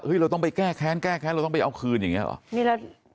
เราต้องไปแก้แค้นแก้แค้นเราต้องไปเอาคืนอย่างนี้หรอ